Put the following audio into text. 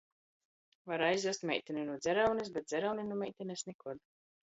Var aizvest meitini nu dzeraunis, bet dzerauni nu meitinis - nikod.